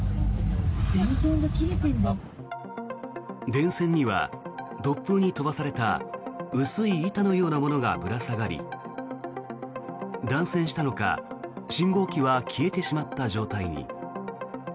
電線には突風に飛ばされた薄い板のようなものがぶら下がり断線したのか信号機は消えてしまった状態に。